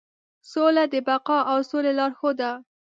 سوله د بقا او سولې لارښود ده.